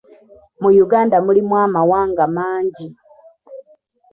Mu Uganda mulimu amawanga mangi.